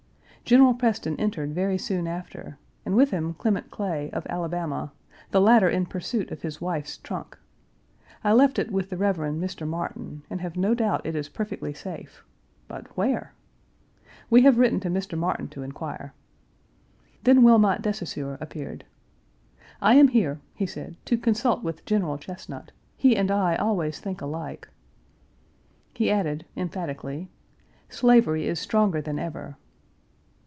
General Preston entered very soon after, and with him Clement Clay, of Alabama, the latter in pursuit of his wife's trunk. I left it with the Rev. Mr. Martin, and have no doubt it is perfectly safe, but where? We have written to Mr. Martin to inquire. Then Wilmot de Saussure appeared. "I am here," he said, "to consult with General Chesnut. He and I always think alike." He added, emphatically: "Slavery is stronger than ever."